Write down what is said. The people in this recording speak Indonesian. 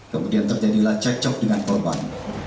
kemudian terjadilah cekcok dengan korban